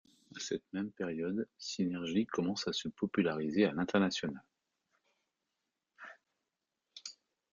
À cette même période, Sinergy commence à se populariser à l'international.